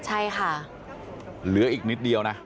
เหลืออีกนิดเดียวนะ